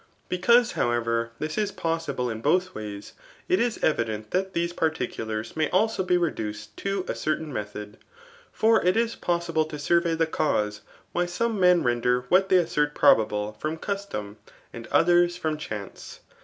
Because, however, this is possible in both ways, it is evident that these patticulars may 'also be reduced to a certain method. £0r it if possible to survey the cause why some men jfuder what they assert probable, from custom, and ctfiers from chance.